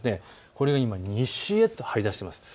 これが今西へと張り出しています。